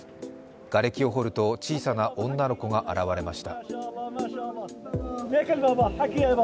がれきを掘ると小さな女の子が現れました。